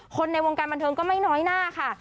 ในวงการบันเทิงก็ไม่น้อยหน้าค่ะ